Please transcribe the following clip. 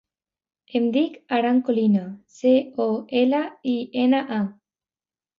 Em dic Aran Colina: ce, o, ela, i, ena, a.